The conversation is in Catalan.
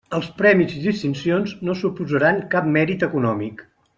Els premis i distincions no suposaran cap mèrit econòmic.